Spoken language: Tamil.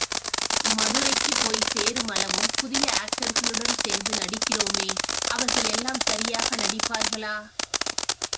மதுரைக்குப் போய்ச் சேருமளவும், புதிய ஆக்டர்களுடன் சேர்ந்து நடிக்கிறோமே, அவர்கள் எல்லாம் சரியாக நடிப்பார்களா?